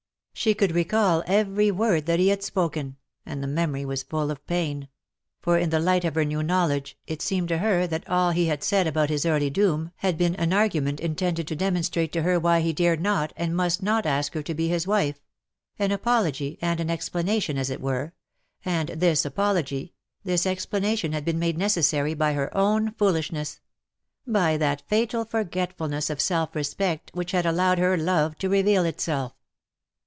She could recall every word that he had spoken, and the memory was full of pain ; for in the light of her new knowledge it seemed to her that all he had said about his early docm had been an argu 44 '' GRIEF A FIXED STAR, ment inlended to demonstrate to lier why lie dared not and must not ask lier to be his wife — an apology and an explanation as it were — and this apology, this explanation had been made necessary by her own foolishness — by that fatal forgetfnlness of self respect which had allowed her love to reveal itself.